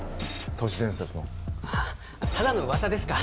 都市伝説のあっただの噂ですか